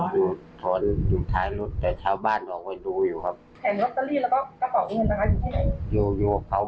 ผมได้กินแต่เรากับเบียกับเขา